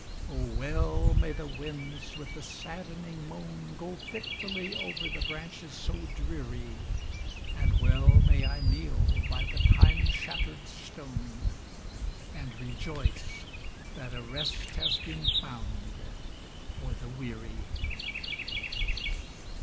Oh! well may the winds with a saddening moan Go fitfully over the branches so dreary; And well may I kneel by the time shattered stone, And rejoice that a rest has been found for the weary.